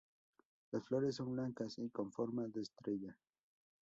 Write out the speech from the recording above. Las flores son blancas y con forma de estrella.